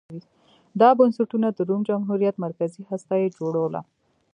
دا بنسټونه د روم جمهوریت مرکزي هسته یې جوړوله